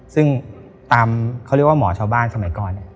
ซึ่งตามเขาเรียกว่าหมอชาวบ้านสมัยก่อนเนี่ย